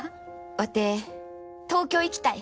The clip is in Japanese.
ワテ東京行きたい。